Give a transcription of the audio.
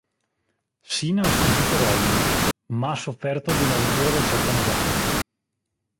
Cena ha sconfitto Rollins, ma ha sofferto di una rottura del setto nasale.